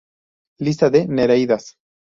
Lista de Nereidas